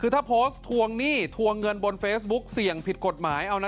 ถ้าโพสต์ถวกหนี้ถวงเงินบนเฟสบุ๊กเสี่ยงผิดกฎหมาย